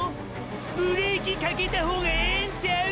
⁉ブレーキかけた方がエエんちゃう？